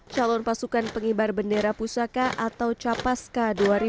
calon pasukan pengibar bendera pusaka atau capaska dua ribu dua puluh